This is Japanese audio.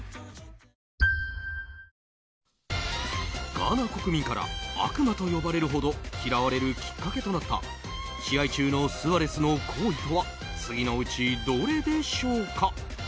ガーナ国民から悪魔と呼ばれるほど嫌われるきっかけとなった試合中のスアレスの行為とは次のうち、どれでしょうか？